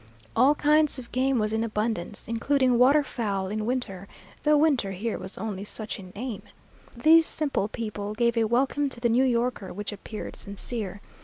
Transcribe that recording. All kinds of game was in abundance, including waterfowl in winter, though winter here was only such in name. These simple people gave a welcome to the New Yorker which appeared sincere.